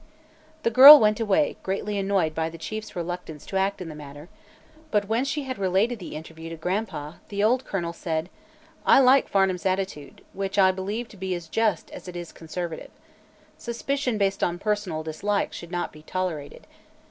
The girl went away greatly annoyed by the Chief's reluctance to act in the matter, but when she had related the interview to Gran'pa, the old colonel said: "I like Farnum's attitude, which I believe to be as just as it is conservative. Suspicion, based on personal dislike, should not be tolerated.